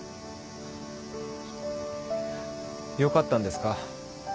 よかったんですか？